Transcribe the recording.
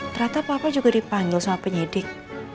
ternyata papa juga dipanggil sama penyidik